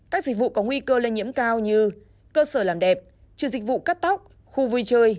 các dịch vụ có nguy cơ lây nhiễm cao như cơ sở làm đẹp trừ dịch vụ cắt tóc khu vui chơi